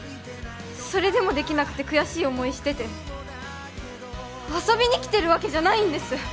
それでもできなくて悔しい思いしてて遊びに来てるわけじゃないんです！